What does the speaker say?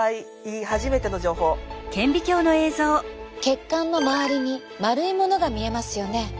血管の周りに丸いものが見えますよね。